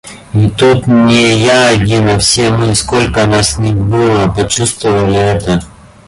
И тут не я один, а все мы, сколько нас ни было, почувствовали это.